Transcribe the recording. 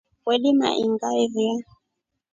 Weldima ingairia.